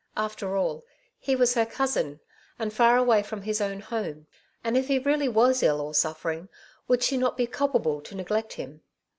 ^ After all, he was her cousin, and far away from his own home ; and if he really was ill or suffering, would she not be culpable to neglect him?